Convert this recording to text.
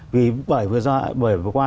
vì bởi vừa qua